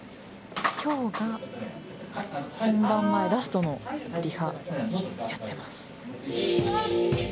今日が本番前ラストのリハやってます。